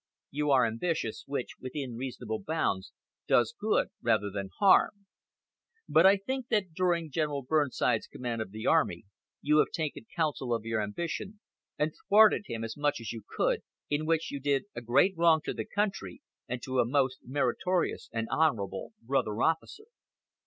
You are ambitious, which, within reasonable bounds, does good rather than harm; but I think that during General Burnside's command of the army you have taken council of your ambition and thwarted him as much as you could, in which you did a great wrong to the country, and to a most meritorious and honorable brother officer.